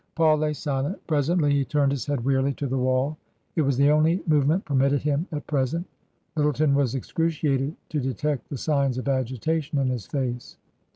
Paul lay silent. Presently he turned his head wearily to the wall ; it was the only movement permitted him at present Lyttleton was excruciated to detect the signs of agitation in his face.